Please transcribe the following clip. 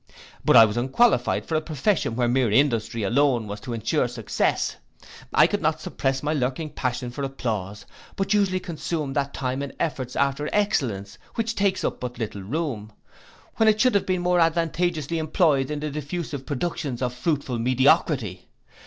But I was unqualified for a profession where mere industry alone was to ensure success. I could not suppress my lurking passion for applause; but usually consumed that time in efforts after excellence which takes up but little room, when it should have been more advantageously employed in the diffusive productions of fruitful mediocrity.